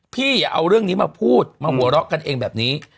อย่าเอาเรื่องนี้มาพูดมาหัวเราะกันเองแบบนี้